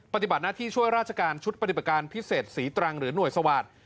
ปฏิบัติหน้าที่ช่วยราชการชุดปฏิบัติการพิเศษศรีตรังหรือหน่วยสวาสตร์